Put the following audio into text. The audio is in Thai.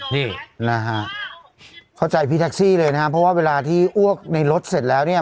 นี่นะฮะเข้าใจพี่แท็กซี่เลยนะฮะเพราะว่าเวลาที่อ้วกในรถเสร็จแล้วเนี่ย